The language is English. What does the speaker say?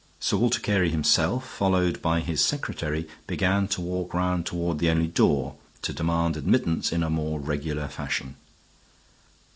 Sir Walter Carey himself, followed by his secretary, began to walk round toward the only door, to demand admittance in a more regular fashion.